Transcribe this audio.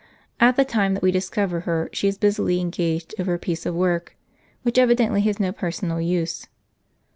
At the time that we discover her she is busily engaged over a piece of work, which evidently has no personal use.